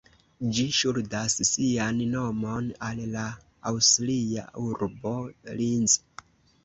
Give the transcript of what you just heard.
Ĝi ŝuldas sian nomon al la aŭstria urbo Linz.